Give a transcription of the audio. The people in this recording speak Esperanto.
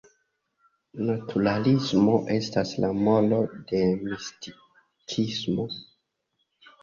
Naturalismo estas la malo de Mistikismo.